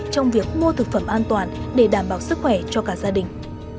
trong việc mua thực phẩm an toàn để đảm bảo sức khỏe cho cả gia đình